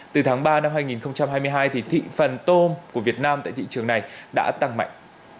từ tháng ba năm hai nghìn hai mươi hai thị phần tôm của việt nam tại thị trường này đã tăng mạnh